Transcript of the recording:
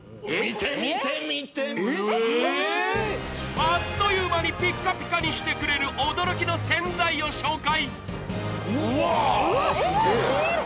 あっという間にピッカピカにしてくれる驚きの洗剤を紹介